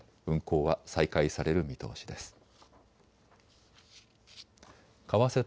運航は再開される見通しです。